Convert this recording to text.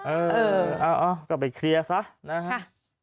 เออเอาก็ไปเคลียร์ซะนะฮะ